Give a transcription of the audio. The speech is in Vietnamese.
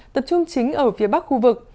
tập trung chính ở phía bắc khu vực